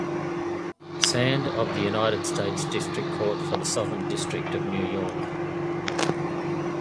Sand of the United States District Court for the Southern District of New York.